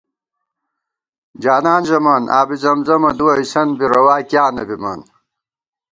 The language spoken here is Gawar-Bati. جانان ژَمان، آبِزمزمہ دُوَئیسَن بی روا کیاں نہ بِمان